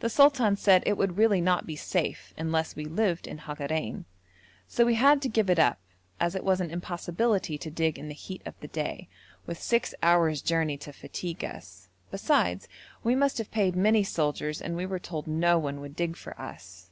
The sultan said it would really not be safe unless we lived in Hagarein, so we had to give it up as it was an impossibility to dig in the heat of the day, with six hours' journey to fatigue us; besides we must have paid many soldiers and we were told no one would dig for us.